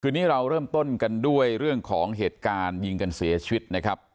คือนี้เราเริ่มต้นกันด้วยเรื่องของเหตุการณ์ยิงกันเสียชีวิตนะครับ